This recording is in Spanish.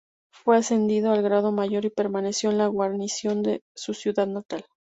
Fue ascendido al grado mayor y permaneció en la guarnición de su ciudad natal.